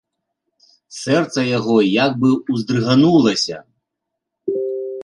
Сэрца яго як бы ўздрыганулася.